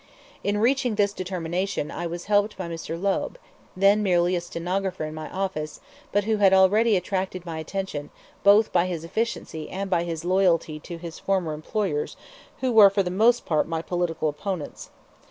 In reaching this determination I was helped by Mr. Loeb, then merely a stenographer in my office, but who had already attracted my attention both by his efficiency and by his loyalty to his former employers, who were for the most part my political opponents.